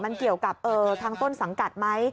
มันเกี่ยวกับทางต้นสังกัดไหม